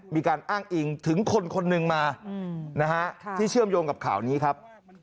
มีการอ้างอิงถึงคนคนหนึ่งมานะฮะที่เชื่อมโยงกับข่าวนี้ครับ